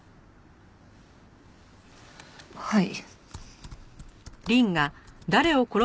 はい。